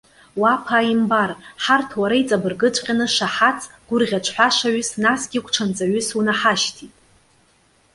Уа аԥааимбар! Ҳарҭ уара иҵабыргыҵәҟьаны шаҳаҭс, гәырӷьаҽҳәашаҩыс, насгьы гәҽанҵаҩыс унаҳашьҭит.